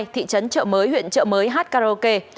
thị trấn chợ mới huyện chợ mới hát karaoke